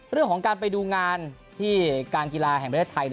เรื่องของการไปดูงานที่การกีฬาแห่งประเทศไทย